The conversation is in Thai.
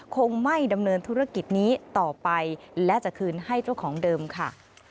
คงไม่ดำเนินธุรกิจนี้ต่อไปและจะคืนให้เจ้าของเดิมค่ะ